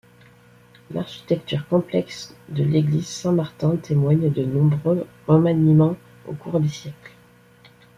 L'architecture complexe de l'église Saint-Martin témoigne de nombreux remaniements au cours des siècles.